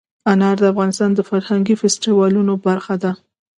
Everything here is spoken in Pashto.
انار د افغانستان د فرهنګي فستیوالونو برخه ده.